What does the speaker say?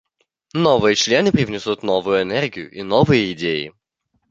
Новые члены привнесут новую энергию и новые идеи.